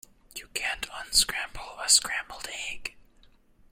You can't unscramble a scrambled egg.